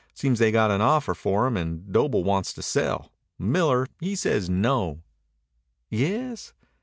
Seems they got an offer for him and Doble wants to sell. Miller he says no." "Yes?"